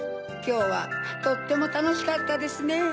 きょうはとってもたのしかったですね